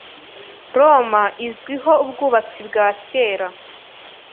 Roma izwiho ubwubatsi bwa kera.